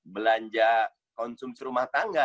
belanja konsumsi rumah tangga